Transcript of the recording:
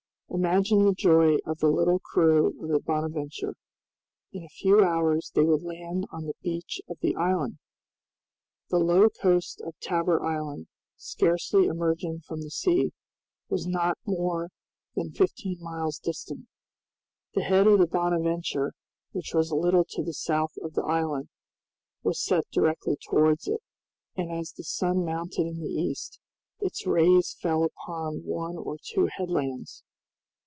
Imagine the joy of the little crew of the "Bonadventure." In a few hours they would land on the beach of the island! The low coast of Tabor Island, scarcely emerging from the sea, was not more than fifteen miles distant. The head of the "Bonadventure," which was a little to the south of the island, was set directly towards it, and as the sun mounted in the east, its rays fell upon one or two headlands.